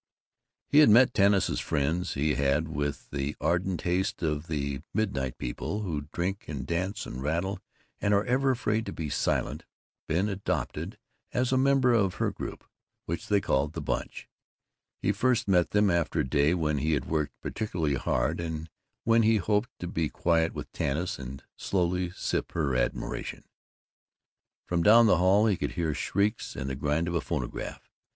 He had met Tanis's friends; he had, with the ardent haste of the Midnight People, who drink and dance and rattle and are ever afraid to be silent, been adopted as a member of her group, which they called "The Bunch." He first met them after a day when he had worked particularly hard and when he hoped to be quiet with Tanis and slowly sip her admiration. From down the hall he could hear shrieks and the grind of a phonograph.